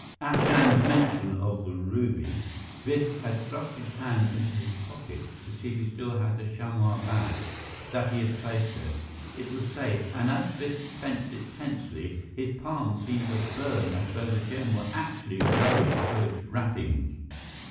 At Chand's mention of the ruby, Biff had thrust his hand into his pocket to see if he still had the chamois bag that he had placed there. It was safe, and as Biff clenched it tensely, his palm seemed to burn as though the gem were actually glowing through its wrappings.